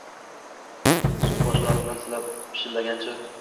So’ng boshlarimdan silab, pishillagancha: